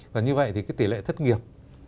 và như vậy thì cái tỷ lệ thất nghiệp